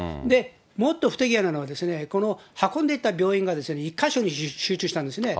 もっと不手際なのは、この運んでいった病院が１か所に集中したんですね。